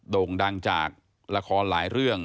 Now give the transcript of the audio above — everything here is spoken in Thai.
โด่งดังจากละครหลายเรื่อง